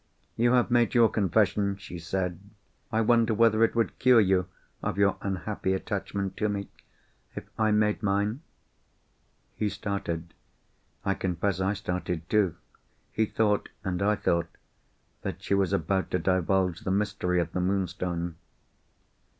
"You have made your confession," she said. "I wonder whether it would cure you of your unhappy attachment to me, if I made mine?" He started. I confess I started too. He thought, and I thought, that she was about to divulge the mystery of the Moonstone.